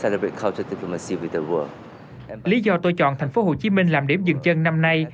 lý do tôi chọn thành phố hồ chí minh làm điểm dừng chân năm nay